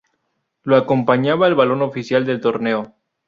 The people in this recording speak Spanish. Lo acompaña el balón oficial del torneo.